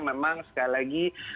memang sekali lagi